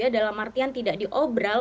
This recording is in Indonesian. dalam artian tidak diobral